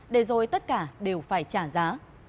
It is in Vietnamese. để rồi tất cả đều phải trả giá